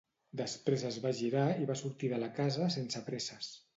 Després es va girar i va sortir de la casa sense presses.